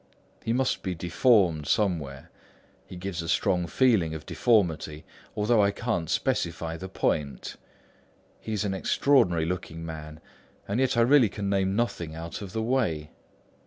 He must be deformed somewhere; he gives a strong feeling of deformity, although I couldn't specify the point. He's an extraordinary looking man, and yet I really can name nothing out of the way.